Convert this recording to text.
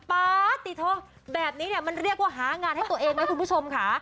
ปาติทองแบบนี้เนี่ยมันเรียกว่าหางานให้ตัวเองไหมคุณผู้ชมค่ะ